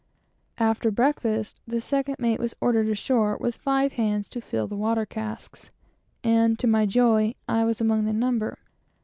After breakfast the second mate was ordered ashore with five hands to fill the water casks, and to my joy I was among the number.